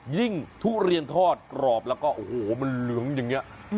ทุเรียนทอดกรอบแล้วก็โอ้โหมันเหลืองอย่างนี้